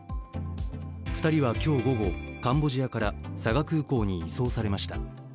２人は今日午後、カンボジアから佐賀空港に移送されました。